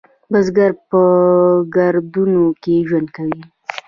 بزګر په کروندو کې ژوند کوي